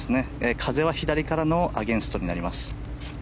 風は左からのアゲンストになります。